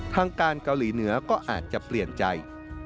ทางการเกาหลีเหนือก็อาจจะเปลี่ยนใจ